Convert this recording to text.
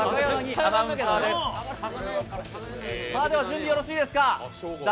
準備、よろしいですか。